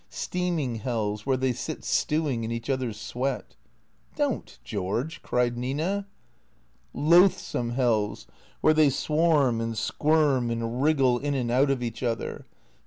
Steaming hells where they sit stewing in each other's sweat "" Don't, George !" cried Nina. " Loathsome hells, where they swarm and squirm and wriggle 178 THECEEATORS in and out of each other.